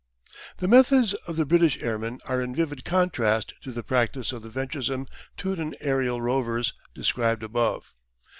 The methods of the British airmen are in vivid contrast to the practice of the venturesome Teuton aerial rovers described above.